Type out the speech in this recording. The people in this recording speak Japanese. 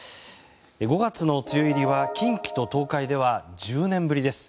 ５月の梅雨入りは近畿と東海では１０年ぶりです。